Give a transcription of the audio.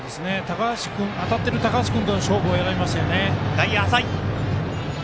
当たっている高橋君との勝負を選びましたね。